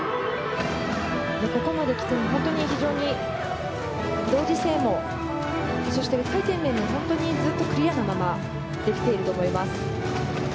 ここまで来ても非常に同時性もそして回転面もクリアなままできていると思います。